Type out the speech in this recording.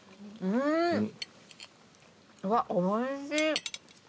うわおいしい！